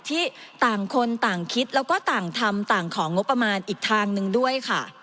ที่ต่างคนต่างคิดแล้วก็ต่างทำต่างของบุคลากรของภาครัฐลงไปได้อีกทางหนึ่งด้วย